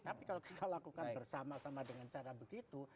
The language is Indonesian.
tapi kalau kita lakukan bersama sama dengan cara begitu